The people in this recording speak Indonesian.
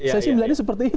sesi miliknya seperti itu